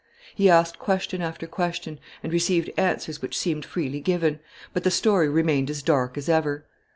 He asked question after question, and received answers which seemed freely given; but the story remained as dark as ever.